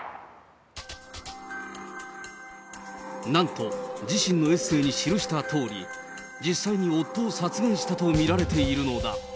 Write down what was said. なんと自身のエッセーのタイトルに記したとおり、実際に夫を殺害したと見られているのだ。